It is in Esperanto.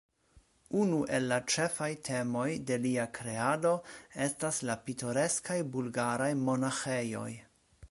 Unu el la ĉefaj temoj de lia kreado estas la pitoreskaj bulgaraj monaĥejoj.